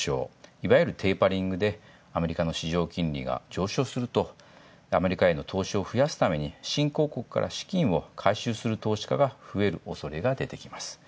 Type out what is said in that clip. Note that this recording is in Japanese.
いわゆるテーパリングでアメリカの市場金利が上昇するとアメリカの投資を増やすために新興国から資金を回収する、増える恐れが出てきます。